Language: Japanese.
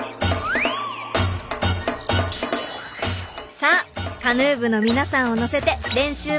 さあカヌー部の皆さんを乗せて練習場所の湖まで！